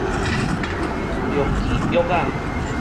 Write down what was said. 量其約仔